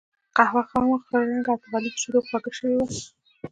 قهوه خامه، خړ رنګه او په غليظو شیدو خوږه شوې وه.